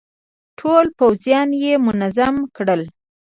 ټول پوځيان يې منظم کړل.